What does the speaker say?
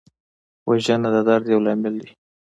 وژنه د درد یو لامل دی